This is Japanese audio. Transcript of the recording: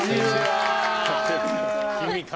君か。